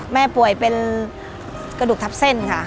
แม่ป่วยเป็นกระดูกทับเส้นค่ะ